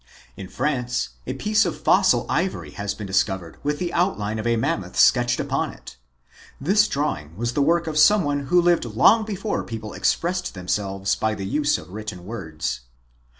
In France a piece of fossil ivory has been discovered with the outline of a Mammoth sketched upon it. This drawing was the wtfrk of some one who lived long before people expressed themselves by the use of written words.